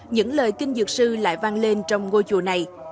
những lời kinh dược sư lại vang lên trong ngôi chùa này